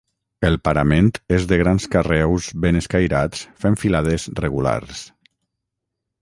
El parament és de grans carreus ben escairats fent filades regulars.